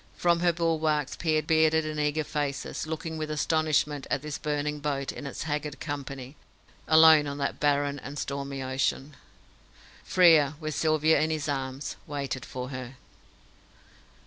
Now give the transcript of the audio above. From her bulwarks peered bearded and eager faces, looking with astonishment at this burning boat and its haggard company, alone on that barren and stormy ocean. Frere, with Sylvia in his arms, waited for her.